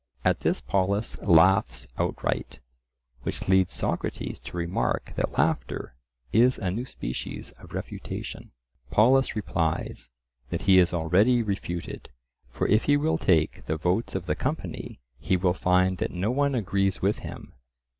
At this Polus laughs outright, which leads Socrates to remark that laughter is a new species of refutation. Polus replies, that he is already refuted; for if he will take the votes of the company, he will find that no one agrees with him.